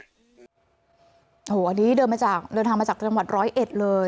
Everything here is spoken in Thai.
อันนี้เดินทางมาจากจังหวัดร้อยเอ็ดเลย